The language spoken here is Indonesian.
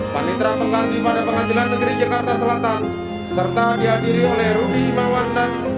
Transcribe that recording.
panitra pengganti pada pengadilan negeri jakarta selatan serta dihadiri oleh rudy imawan dan